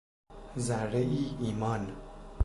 ذرهای ایمان